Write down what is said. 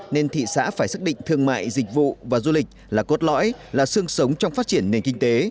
nên thị xã phải xác định thương mại dịch vụ và du lịch là cốt lõi là sương sống trong phát triển nền kinh tế